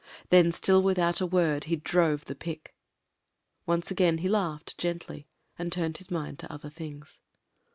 Thee still without a word he drove the pick. ... Once again he laughed gently, and turned his mind to other things.